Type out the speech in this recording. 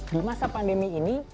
di masa pandemi ini